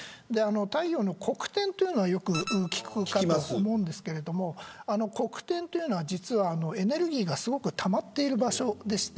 太陽の黒点というのはよく聞くと思うんですが黒点というのは実はエネルギーがすごくたまっている場所です。